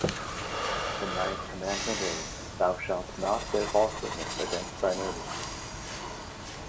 The ninth commandment is, Thou shalt not bear false witness against thy neighbor.